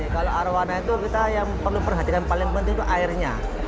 kalau arowana itu kita yang perlu perhatian paling penting itu airnya